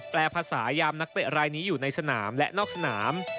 ภาษายามนักเตะรายนี้อยู่ในสนามและนอกสนาม